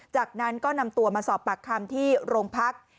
จากนั้นก็นำตัวมาสอบปากคำที่โรงพัก